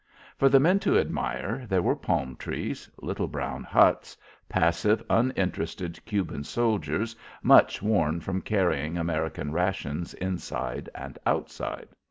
For the men to admire, there were palm trees, little brown huts, passive, uninterested Cuban soldiers much worn from carrying American rations inside and outside.